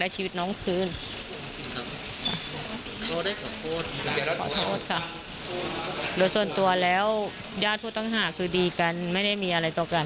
โดยส่วนตัวแล้วญาติผู้ต้องหาคือดีกันไม่ได้มีอะไรต่อกัน